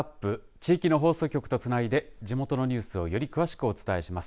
地域の放送局とつないで地元のニュースをより詳しくお伝えします。